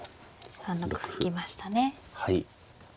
３六歩行きましたね。